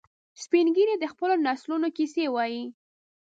سپین ږیری د خپلو نسلونو کیسې وایي